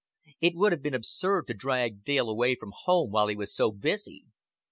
It would be absurd to drag Dale away from home while he was so busy.